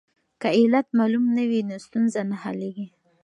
که علت معلوم نه وي نو ستونزه نه حلیږي.